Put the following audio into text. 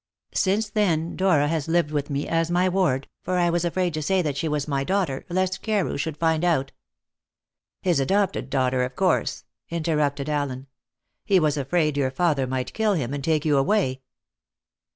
Since then Dora has lived with me as my ward, for I was afraid to say that she was my daughter, lest Carew should find out.'" "His adopted daughter, of course," interrupted Allen. "He was afraid your father might kill him, and take you away."